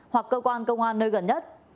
hoặc cơ quan công an nơi gần nhất